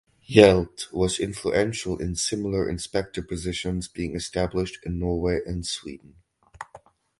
Hjelt was influential in similar inspector positions being established in Norway and Sweden.